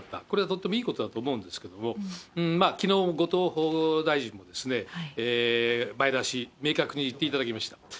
これはとてもいいことだと思うんですけれども、きのう、後藤大臣も前倒し、明確に言っていただきました。